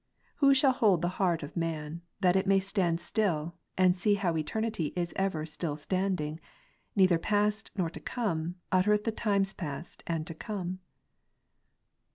Who shall hold the heart of man, that it may stand still, and see how eter nity ever still standing, neither past nor to come, uttereth the times past and to come